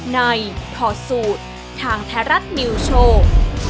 ในทอสูตรทางแทรศนิวโชว์